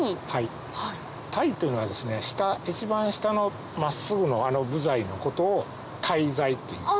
「タイ」っていうのはですね一番下の真っすぐのあの部材のことをタイ材っていうんです。